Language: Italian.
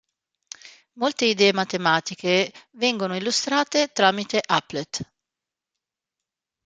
Molte idee matematiche vengono illustrate tramite applet.